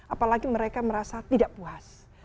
apalagi mereka merasa tidak puas